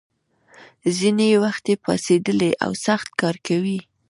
ځینې یې وختي پاڅېدلي او سخت کار کوي.